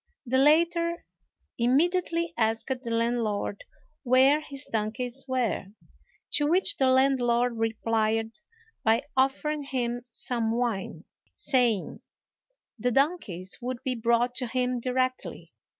The latter immediately asked the landlord where his donkeys were; to which the landlord replied by offering him some wine, saying, the donkeys would be brought to him directly.